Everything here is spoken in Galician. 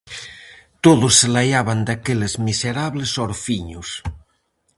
Todos se laiaban daqueles miserables orfiños.